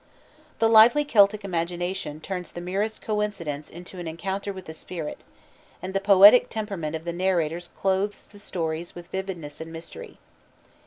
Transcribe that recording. The lively Celtic imagination turns the merest coincidence into an encounter with a spirit, and the poetic temperament of the narrators clothes the stories with vividness and mystery.